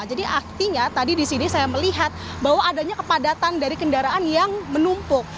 artinya tadi di sini saya melihat bahwa adanya kepadatan dari kendaraan yang menumpuk